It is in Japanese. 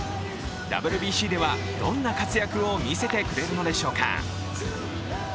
ＷＢＣではどんな活躍を見せてくれるのでしょうか。